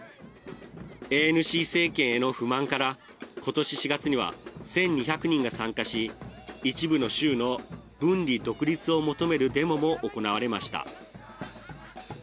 ＡＮＣ政権への不満から今年４月には１２００人が参加し一部の州の分離独立を求めるデモも行われました。